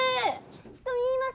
人見います！